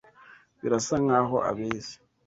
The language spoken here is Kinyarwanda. Birasa nkaho abizi.